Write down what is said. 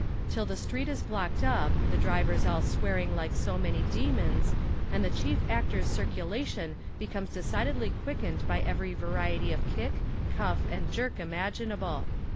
till the street is blocked up, the drivers all swearing like so many demons, and the chief actor's circulation becomes decidedly quickened by every variety of kick, cuff and jerk imaginable.